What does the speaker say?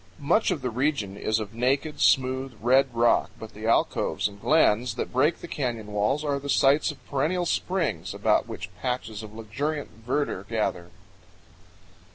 Much of the region is of naked, smooth, red rock, but the alcoves and glens that break the canyon walls are the sites of perennial springs, about which patches of luxuriant verdure gather.